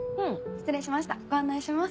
失礼しましたご案内します。